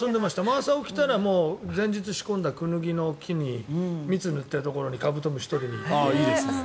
朝起きたら前日仕込んだクヌギの木に蜜塗っているところにカブトムシを取りに行って。